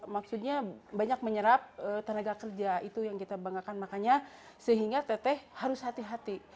maksudnya banyak menyerap tenaga kerja itu yang kita banggakan makanya sehingga teteh harus hati hati